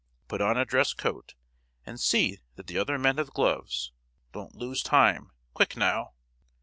Put on a dress coat, and see that the other men have gloves: don't lose time. Quick, now!"